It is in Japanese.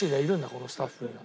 ここのスタッフには。